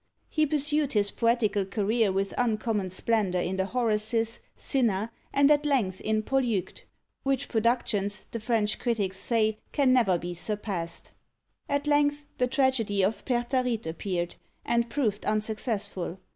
He pursued his poetical career with uncommon splendour in the Horaces, Cinna, and at length in Polyeucte; which productions, the French critics say, can never be surpassed. At length the tragedy of "Pertharite" appeared, and proved unsuccessful.